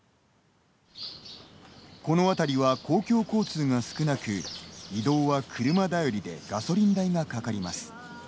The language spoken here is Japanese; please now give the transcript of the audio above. この辺りは公共交通が少なく移動は車頼りでガソリン代がかかります。